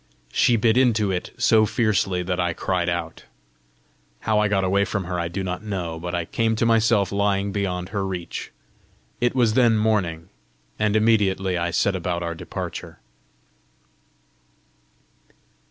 She bit into it so fiercely that I cried out. How I got away from her I do not know, but I came to myself lying beyond her reach. It was then morning, and immediately I set about our departure.